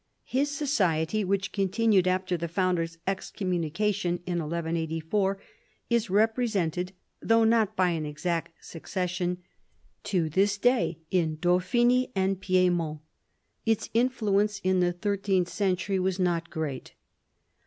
His society, which continued after the founder's excom munication in 1184, is represented — though not by an exact succession — to this day in Dauphiny and Piedmont. Its influence in the thirteenth century was not great.